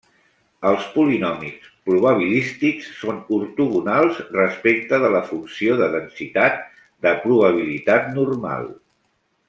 Els polinomis probabilístics són ortogonals respecte de la funció de densitat de probabilitat normal.